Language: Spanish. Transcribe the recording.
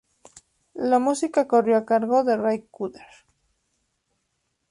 La música corrió a cargo de Ry Cooder.